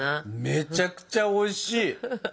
めちゃくちゃおいしい！